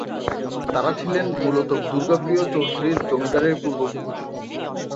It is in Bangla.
তারা ছিলেন মূলত দুর্গাপ্রিয় চৌধুরীর জমিদারের পূর্বপুরুষ।